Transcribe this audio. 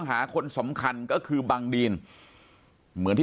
ปากกับภาคภูมิ